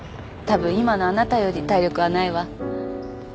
たぶん今のあなたより体力はないわ。